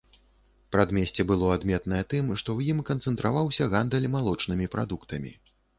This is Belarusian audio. Прадмесце было адметнае тым, што ў ім канцэнтраваўся гандаль малочнымі прадуктамі.